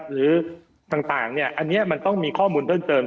หรือต่างอันนี้มันต้องมีข้อมูลเพิ่มเติม